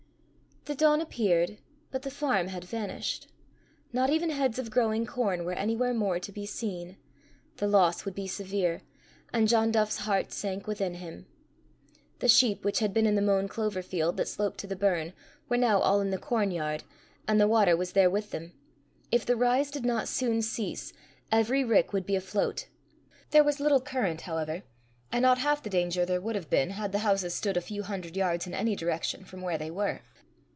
The dawn appeared but the farm had vanished. Not even heads of growing corn were anywhere more to be seen. The loss would be severe, and John Duff's heart sank within him. The sheep which had been in the mown clover field that sloped to the burn, were now all in the corn yard, and the water was there with them. If the rise did not soon cease, every rick would be afloat. There was little current, however, and not half the danger there would have been had the houses stood a few hundred yards in any direction from where they were.